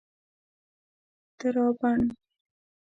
درابڼ